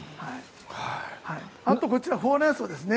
あとこっちのホウレンソウですね